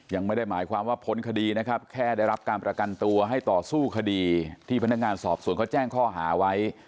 ยังไม่ได้หมายความว่าพ้นคดีนะครับแค่ได้รับการประกันตัวให้ต่อสู้คดีที่พนักงานสอบสวนเขาแจ้งข้อหาไว้